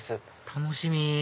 楽しみ！